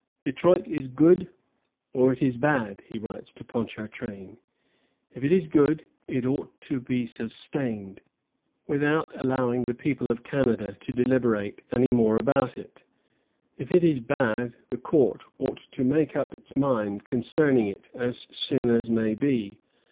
"Detroit is good, or it is bad," he writes to Ponchartrain. "If it is good, it ought to be sustained, without allowing the people of Canada to deliberate any more about it. If it is bad, the court ought to make up its mind concerning it as soon as may be.